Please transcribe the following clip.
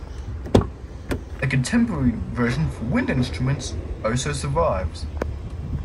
A contemporary version for wind instruments also survives.